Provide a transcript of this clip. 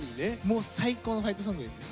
もう最高のファイトソングです。